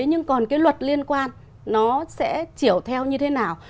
nhưng còn cái luật liên quan nó sẽ chiều theo như thế nào